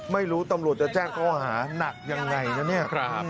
ไม่รู้ตำรวจจะแจ้งเขาหาหนักอย่างไรนะนี่